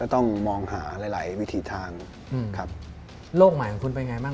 ต้องมองหาหลายหลายวิถีทางอืมครับโลกใหม่ของคุณเป็นไงบ้าง